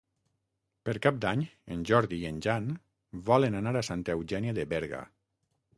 Per Cap d'Any en Jordi i en Jan volen anar a Santa Eugènia de Berga.